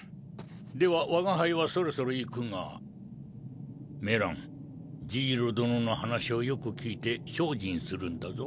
では我が輩はそろそろ行くがメランジイロ殿の話をよく聞いて精進するんだぞ。